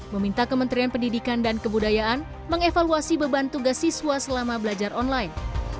meminta kementerian pendidikan dan kebudayaan mengevaluasi beban tugas siswa selama belajar online